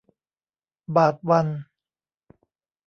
บาทวัน